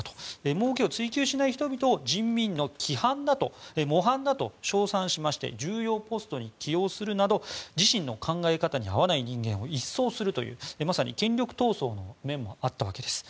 もうけを追求しない人々を人民の模範だと称賛しまして重要ポストに起用するなど自身の考え方に合わない人間を一掃するという、まさに権力闘争の面もあったわけです。